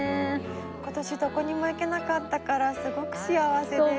今年どこにも行けなかったからすごく幸せです。